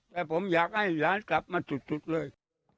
แต่ผมอยากให้หลานกลับมาสุดเลย